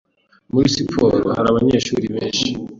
Muri siporo hari abanyeshuri benshi